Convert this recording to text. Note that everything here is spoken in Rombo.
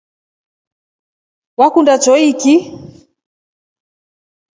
Wekunda choiki?